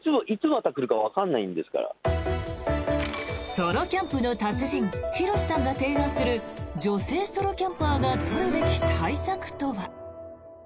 ソロキャンプの達人ヒロシさんが提案する女性ソロキャンパーが取るべき対策とは。